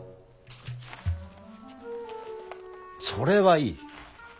それはいい。